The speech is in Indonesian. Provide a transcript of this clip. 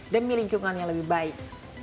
demi lingkungan yang lebih baik